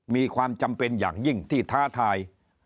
มีความจำเป็นอย่างยิ่งที่ท้าทาย